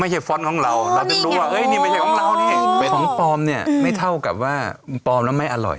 เพื่อนก็ทำเนี่ยไม่เท่ากับว่าปลอมแล้วไม่อร่อย